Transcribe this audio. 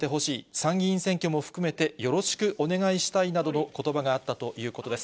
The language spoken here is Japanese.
参議院選挙も含めてよろしくお願いしたいなどのことばがあったということです。